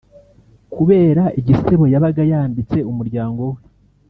kubera igisebo yabaga yambitse umuryango we